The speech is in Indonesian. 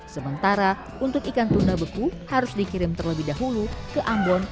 sementara untuk ikan tuna beku harus dikirim terlebih dahulu ke ambon